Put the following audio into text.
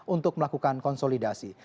untuk melakukan konsolidasi